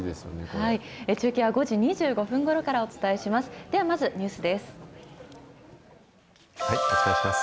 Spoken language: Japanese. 中継は５時２５分ごろからお伝えします。